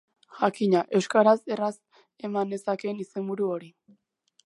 Jakina, euskaraz erraz eman nezakeen izenburu hori.